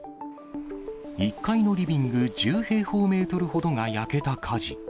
１階のリビング１０平方メートルほどが焼けた火事。